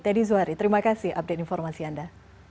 teddy zuhari terima kasih update informasi anda